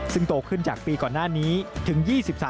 ซึ่งโตขึ้นจากปีก่อนหน้านี้ถึง๒๓